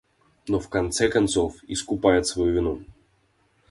но в конце концов искупает свою вину.